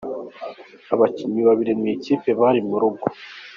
Abakinnyi babiri mu ikipe bari mu rugo